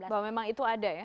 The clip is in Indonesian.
bahwa memang itu ada ya